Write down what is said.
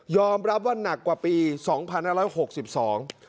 รับว่าหนักกว่าปีสองพันห้าร้อยหกสิบสอง